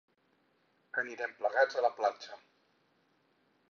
Anirem plegats a la platja!